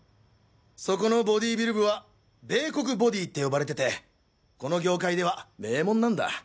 そこのボディビル部は「米国ボディ」って呼ばれててこの業界では名門なんだ！